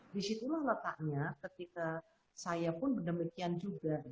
disitulah letaknya ketika saya pun benar benar juga